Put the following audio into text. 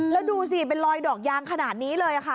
แล้วดูสิเป็นรอยดอกยางขนาดนี้เลยค่ะ